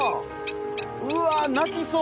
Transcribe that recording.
うわ泣きそう。